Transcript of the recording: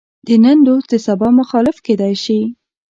د نن دوست د سبا مخالف کېدای شي.